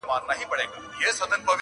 سترګي ما درته درکړي چي مي وکړې دیدنونه -